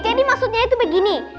jadi maksudnya itu begini